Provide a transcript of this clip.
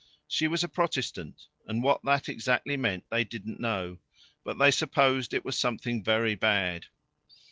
She was a Protestant, and what that exactly meant they didn't know, but they supposed it was something very bad.